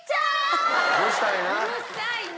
うるさいな！